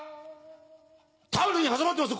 タオルに挟まってます